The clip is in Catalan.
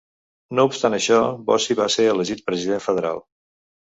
No obstant això, Bossi va ser elegit president federal.